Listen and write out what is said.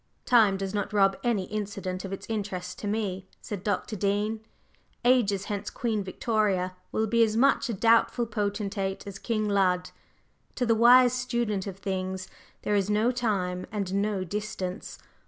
"Time does not rob any incident of its interest to me," said Dr. Dean. "Ages hence Queen Victoria will be as much a doubtful potentate as King Lud. To the wise student of things there is no time and no distance.